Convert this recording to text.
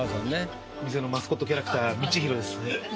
店のマスコットキャラクター道博です。